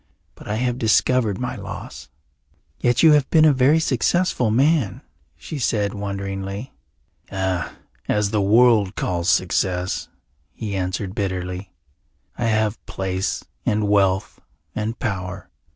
But I have discovered my loss." "Yet you have been a very successful man," she said wonderingly. "As the world calls success," he answered bitterly. "I have place and wealth and power.